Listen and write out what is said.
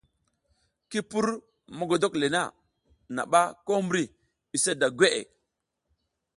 Ki pur mogodok le na, naɓa ko mbri use da gweʼe.